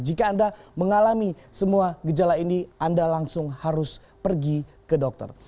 jika anda mengalami semua gejala ini anda langsung harus pergi ke dokter